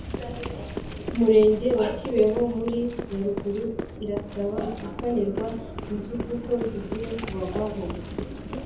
Umurenge wa Kibeho muri Nyaruguru irasaba gusanirwa inzu kuko zigiye kubagwaho